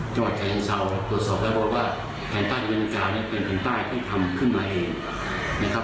จังหวัดจังหยังเศร้าปรวจสอบแล้วบอกว่าแผ่นใต้นี่เป็นแผ่นใต้ที่ทำขึ้นมาเองนะครับ